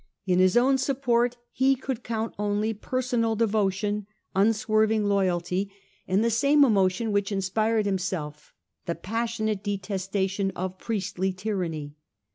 In his own support he could count only personal devotion, unswerving loyalty and the same THE DEPOSED EMPEROR 255 emotion which inspired himself, the passionate detesta tion of priestly tyranny.